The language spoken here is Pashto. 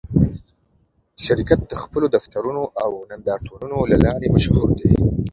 شرکت د خپلو دفترونو او نندارتونونو له لارې مشهور دی.